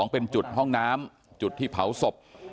เป็นจุดห้องน้ำจุดที่เผาศพ